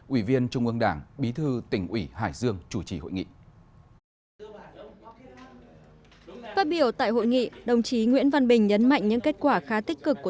ủy viên trung ương đảng bí thư tỉnh ủy hải dương chủ trì hội nghị